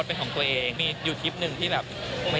เป็นตัวช่วยครับผม